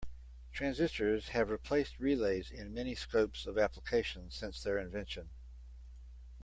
Transistors have replaced relays in many scopes of application since their invention.